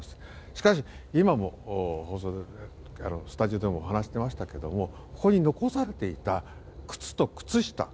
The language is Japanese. しかし、今もスタジオでお話していましたがここに残されていた靴と靴下